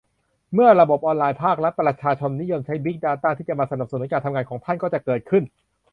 เมื่อระบบออนไลน์ภาครัฐ ประชาชนนิยมใช้ บิ๊กดาต้า ที่จะมาสนับสนุนการทำงานของท่าน ก็จะเกิดขึ้น